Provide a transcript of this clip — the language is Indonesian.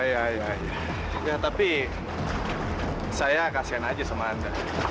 ya tapi saya kasihan aja sama anda